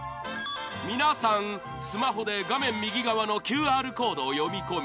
皆さん、スマホで画面右側のＱＲコードを読み込み